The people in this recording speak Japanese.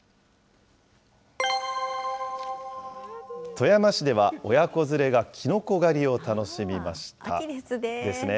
富山市では、親子連れがきのこ狩りを楽しみました。ですね。